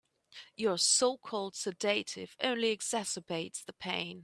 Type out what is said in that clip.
Your so-called sedative only exacerbates the pain.